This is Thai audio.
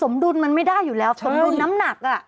ดุลมันไม่ได้อยู่แล้วสมดุลน้ำหนัก